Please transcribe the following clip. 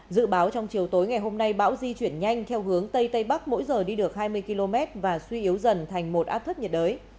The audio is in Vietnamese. dự báo trong chiều tối ngày hôm nay bão di chuyển nhanh theo hướng tây tây bắc mỗi giờ đi được hai mươi km và suy yếu dần thành một áp thấp nhiệt đới